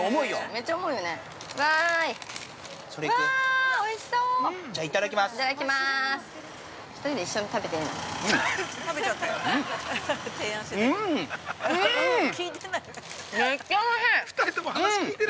◆めっちゃおいしい！